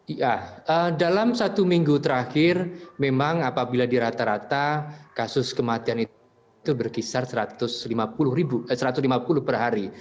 iya dalam satu minggu terakhir memang apabila di rata rata kasus kematian itu berkisar satu ratus lima puluh per hari